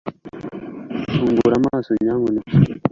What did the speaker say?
fungura amaso, nyamuneka